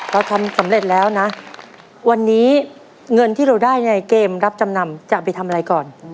เราทำสำเร็จแล้วนะวันนี้เงินที่เราได้ในเกมรับจำนำจะไปทำอะไรก่อน